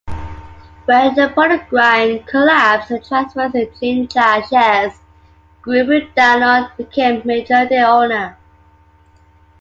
When Peregrine collapsed, and transferred its Jinjia shares, Groupe Danone became majority owner.